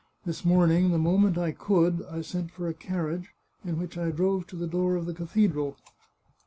This morn ing, the moment I could, I sent for a carriage, in which I drove to the door of the cathedral.